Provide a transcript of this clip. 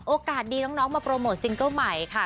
โอกาสดีน้องมาโปรโมทซิงเกิ้ลใหม่ค่ะ